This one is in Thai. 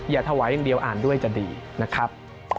อย่าถวายอย่างเดียวอ่านด้วยจะดีนะครับ